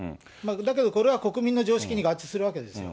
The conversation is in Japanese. だけどこれは国民の常識に合致するわけですよ。